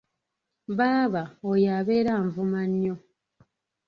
Baaba oyo abeera anvuma nnyo.